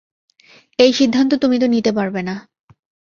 এই সিদ্ধান্ত তুমি তো নিতে পারবে না।